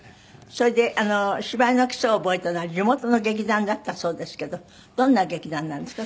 それで芝居の基礎を覚えたのは地元の劇団だったそうですけどどんな劇団なんですか？